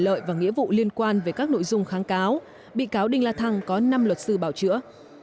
lợi và nghĩa vụ liên quan về các nội dung kháng cáo bị cáo đinh la thăng có năm luật sư bảo chữa